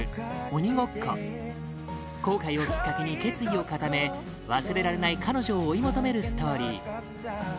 「おにごっこ」後悔をきっかけに決意を固め忘れられない彼女を追い求めるストーリー